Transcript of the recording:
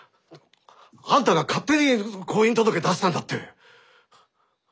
あんたが勝手に婚姻届出したんだって。